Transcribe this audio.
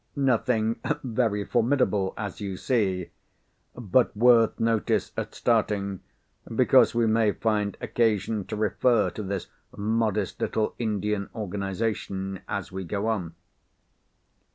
Nothing very formidable, as you see! But worth notice at starting, because we may find occasion to refer to this modest little Indian organisation as we go on.